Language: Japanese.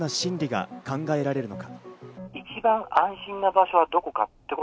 どんな心理が考えられるのか？